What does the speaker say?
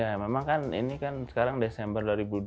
ya memang kan ini kan sekarang desember dua ribu dua puluh